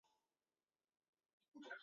产于台湾。